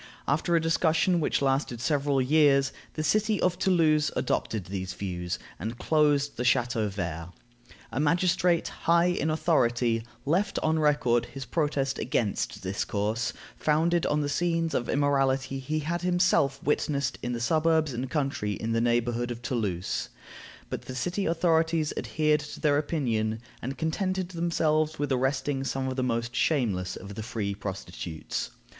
After a discussion which lasted several years, the city of Toulouse adopted these views, and closed the Chateau vert. A magistrate, high in authority, left on record his protest against this course, founded on the scenes of immorality he had himself witnessed in the suburbs, and the country in the neighborhood of Toulouse; but the city authorities adhered to their opinion, and contented themselves with arresting some of the most shameless of the free prostitutes.